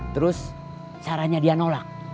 terus caranya dia nolak